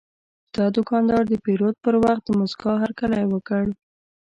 دا دوکاندار د پیرود پر وخت د موسکا هرکلی وکړ.